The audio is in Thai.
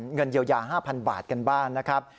เงินเยียวยา๕๐๐บาทกันบ้างนะครับ